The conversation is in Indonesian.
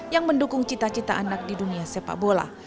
yang mendukung cita cita anak di dunia sepak bola